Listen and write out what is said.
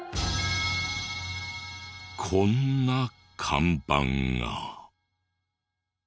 こんな看板が。